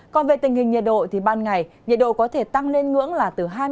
còn về tình hình nhiệt độ thì ban ngày nhiệt độ có thể tăng lên ngưỡng là từ hai mươi